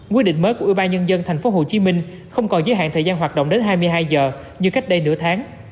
quy định mới của ủy ban nhân dân tp hcm không còn giới hạn thời gian hoạt động đến hai mươi hai giờ như cách đây nửa tháng